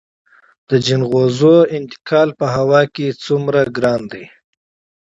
د جلغوزیو انتقال په هوا څومره ګران دی؟